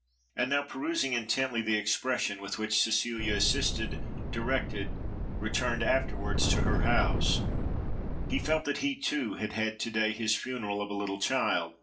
And now, perusing intently the expression with which Cecilia assisted, directed, returned afterwards to her house, he felt that he too had had to day his funeral of a little child.